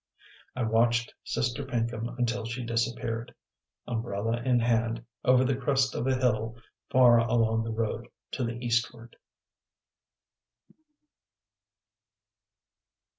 I watched Sister Pinkham until she disappeared, umbrella in hand, over the crest of a hill far along the road to the eastward.